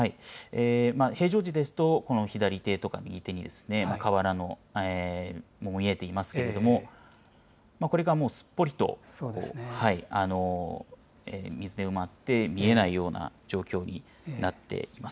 平常時ですとこの左手とか右手に河原も見えていますけれども、これがすっぽりと水で埋まって見えないような状況になっています。